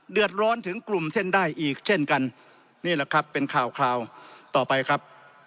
เดือดร้อนถึงกลุ่มเส้นได้อีกเช่นกันนี่แหละครับเป็นข่าวคราวต่อไปครับ